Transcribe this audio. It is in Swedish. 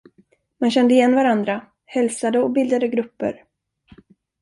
Man kände igen varandra, hälsade och bildade grupper.